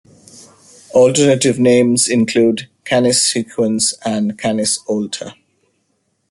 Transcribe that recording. Alternative names include Canis Sequens and Canis Alter.